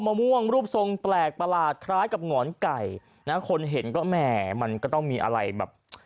มะม่วงรูปทรงแปลกประหลาดคล้ายกับหงอนไก่นะคนเห็นก็แหมมันก็ต้องมีอะไรแบบ